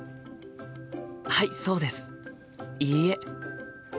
はいそうです。いいえ。